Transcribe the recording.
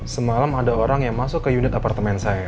semalam ada orang yang masuk ke unit apartemen saya